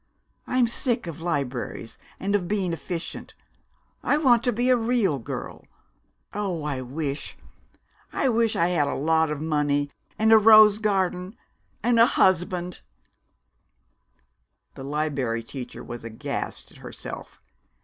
I'm sick of libraries, and of being efficient! I want to be a real girl! Oh, I wish I wish I had a lot of money, and a rose garden, and a husband!" The Liberry Teacher was aghast at herself.